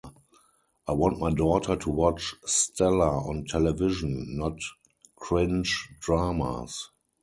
I want my daughter to watch Stella on television, not cringe dramas.